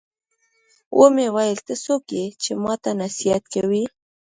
ومې ويل ته څوک يې چې ما ته نصيحت کوې.